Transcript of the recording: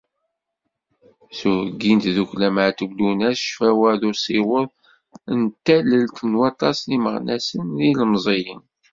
S uheyyi n tdukkla Meɛtub Lwennas Ccfawa d Usiweḍ, d tallelt n waṭas n yimeɣnasen d yilemẓiyen.